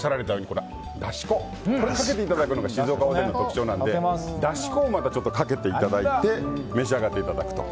だし粉をかけていただくのが静岡おでんの特徴なのでだし粉をかけていただいて召し上がっていただくと。